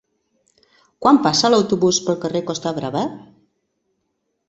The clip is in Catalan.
Quan passa l'autobús pel carrer Costa Brava?